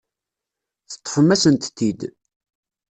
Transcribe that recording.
Teṭṭfem-asent-t-id.